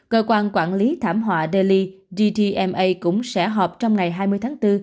cơ quan quản lý thảm họa delhi dtma cũng sẽ họp trong ngày hai mươi tháng bốn